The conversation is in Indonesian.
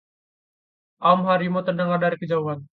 aum harimau terdengar dari kejauhan